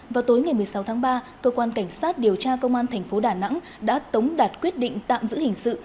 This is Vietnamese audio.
vào tối ngày một mươi sáu tháng ba cơ quan cảnh sát điều tra công an thành phố đà nẵng đã tống đạt quyết định tạm giữ hình sự